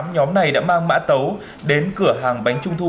nhóm này đã mang mã tấu đến cửa hàng bánh trung thu